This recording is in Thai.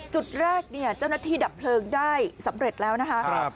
จุดแรกเนี่ยเจ้าหน้าที่ดับเพลิงได้สำเร็จแล้วนะคะ